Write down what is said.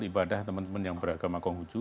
ibadah teman teman yang beragama konghucu